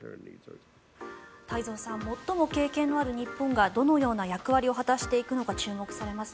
太蔵さん最も経験のある日本がどのような役割を果たしていくのか注目されます。